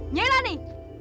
nyai lah ini